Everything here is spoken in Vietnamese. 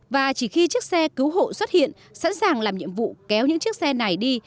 và chỉ khi chiếc xe cứu hộ xuất hiện sẵn sàng làm nhiệm vụ kéo những chiếc xe này đi